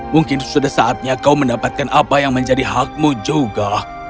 mungkin sudah saatnya kau mendapatkan apa yang menjadi hakmu juga